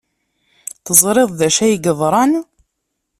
Teẓrid d acu ay yeḍran?